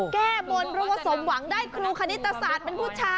แก้บนเพราะว่าสมหวังได้ครูคณิตศาสตร์เป็นผู้ชาย